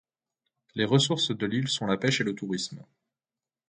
Les ressources de l’île sont la pêche et le tourisme.